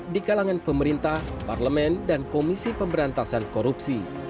di kalangan pemerintah parlemen dan komisi pemberantasan korupsi